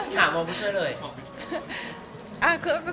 ถามมาไม่ช่วยเลย